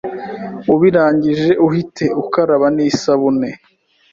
Ubirangije uhite ukaraba nisabune